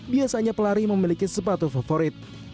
biasanya pelari memiliki sepatu favorit